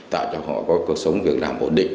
tạo cho họ cuộc sống việc làm ổn định